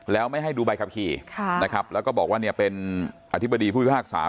แล้วไม่ให้ดูใบขับขี่นะครับแล้วก็บอกว่าเนี่ยเป็นอธิบดีผู้พิพากษา